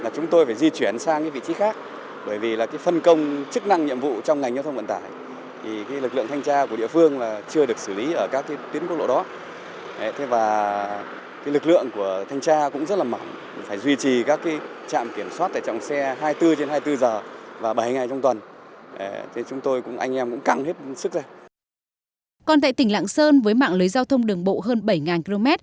còn tại tỉnh lạng sơn với mạng lưới giao thông đường bộ hơn bảy km